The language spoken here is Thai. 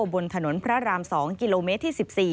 บนถนนพระราม๒กิโลเมตรที่๑๔